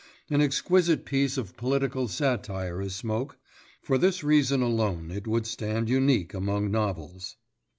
An exquisite piece of political satire is Smoke; for this reason alone it would stand unique among novels.